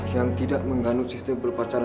yang tidak mengganut sistem berpacaran